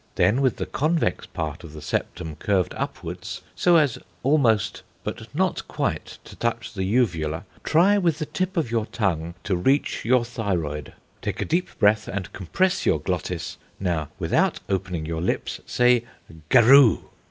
Then with the convex part of the septum curved upwards so as almost but not quite to touch the uvula, try with the tip of your tongue to reach your thyroid. Take a deep breath, and compress your glottis. Now, without opening your lips, say 'Garoo.'"